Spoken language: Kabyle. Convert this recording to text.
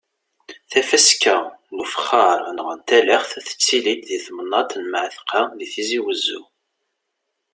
Tafaska n ufexxaṛ neɣ n talaxt tettili-d di temnaḍt n Mɛatqa di Tizi Wezzu.